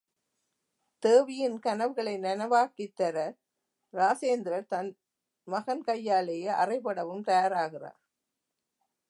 தேவியின் கனவுகளை நனவாக்கித் தர, இராசேந்திரர் தம் மகன் கையாலேயே அறைபடவும் தயாராகிறார்.